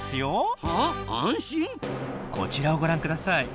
こちらをご覧ください。